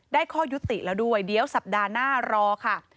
ข้อยุติแล้วด้วยเดี๋ยวสัปดาห์หน้ารอค่ะ